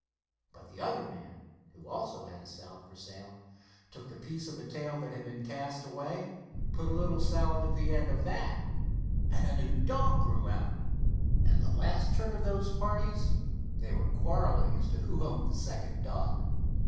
But the other man, who also had salve for sale, took up the piece of tail that had been cast away, put a little salve at the end of that, and a new dog grew out, and the last heard of those parties they were quarrelling as to who owned the second dog.